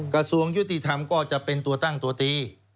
กระทรวงยุติธรรมก็จะเป็นตัวตั้งตัวตี